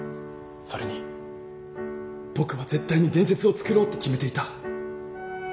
それに僕は絶対に伝説を作ろうって決めていた。